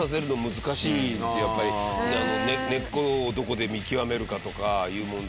根っこをどこで見極めるかとかいう問題を。